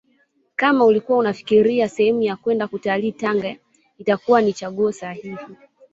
Kama ulikuwa unafikiria sehemu ya kwenda kutalii Tanga itakuwa ni chaguo sahihi